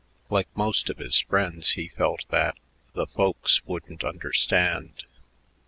Like most of his friends, he felt that "the folks wouldn't understand."